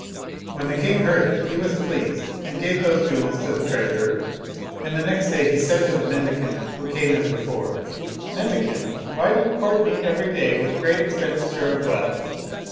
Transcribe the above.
When the king heard it, he was pleased, and gave those jewels to the treasurer, and the next day he said to the mendicant, who came as before, " Mendicant, why do you court me every day with great expenditure of wealth?